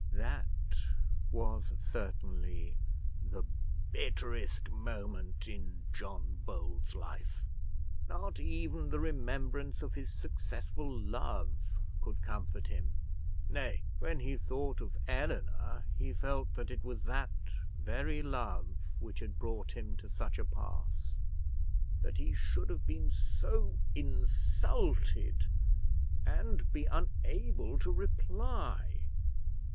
That was certainly the bitterest moment in John Bold's life. Not even the remembrance of his successful love could comfort him; nay, when he thought of Eleanor he felt that it was that very love which had brought him to such a pass. That he should have been so insulted, and be unable to reply!